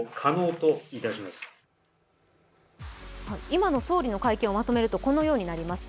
今の総理の会見をまとめると、このようになります。